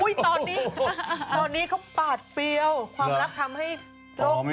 ตอนนี้เขาปาดเปรี้ยว